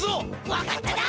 分かっただ！